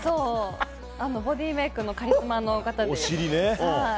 ボディーメイクのカリスマの方で。